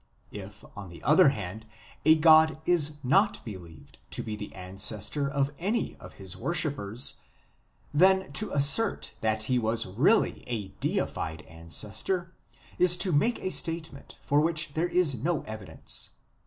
... If, on the other hand, a god is not believed to be the ancestor of any of his worshippers, then to assert that he was really a deified ancestor is to make a statement for which there is no evidence.